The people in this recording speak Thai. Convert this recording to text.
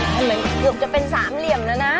มันเหมือนเกือบจะเป็นสามเหลี่ยมแล้วนะ